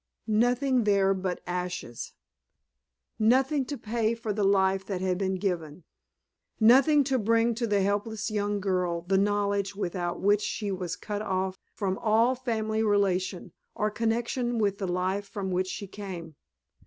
Nothing there but ashes. Nothing to pay for the life that had been given. Nothing to bring to the helpless young girl the knowledge without which she was cut off from all family relation, or connection with the life from which she came.